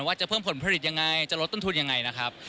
ว่าจะเพิ่มผลผลิตอย่างไรจะลดต้นทุนอย่างไร